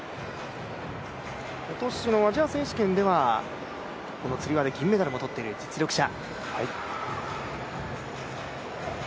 今年のアジア選手権ではこのつり輪で銀メダルもとっている、実力者。